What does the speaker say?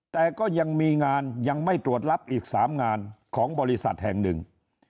แต่ก็ยังมีงานยังไม่ตรวจรับอีก๓งานของบริษัทแห่งหนึ่ง